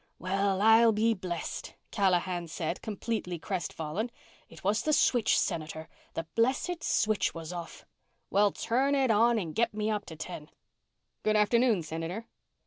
"Well, I'll be blessed," Callahan said, completely crest fallen. "It was the switch, Senator. The blessed switch was off." "Well, turn it on and get me up to ten." "Good afternoon, Senator."